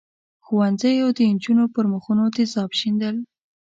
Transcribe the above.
ښوونځیو د نجونو پر مخونو تېزاب شیندل.